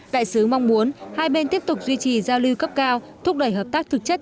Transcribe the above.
đại sứ mong muốn hai bên tiếp tục duy trì giao lưu cấp cao thúc đẩy hợp tác thực chất